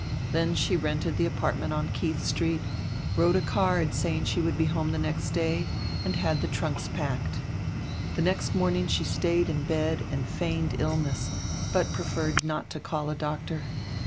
Then she rented the apartment on Keidi street, wrote a card saying she would be home die next day, and had die trunks packed. The next morning she stayed in bed and feigned illness, but preferred not to call a doctor.